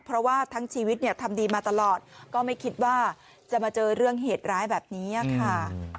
เพราะว่าทั้งชีวิตเนี่ยทำดีมาตลอดก็ไม่คิดว่าจะมาเจอเรื่องเหตุร้ายแบบนี้ค่ะ